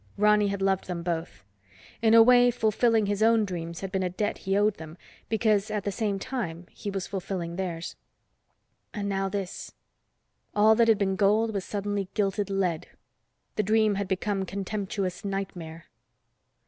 Ronny had loved them both. In a way fulfilling his own dreams had been a debt he owed them, because at the same time he was fulfilling theirs. And now this. All that had been gold, was suddenly gilted lead. The dream had become contemptuous nightmare.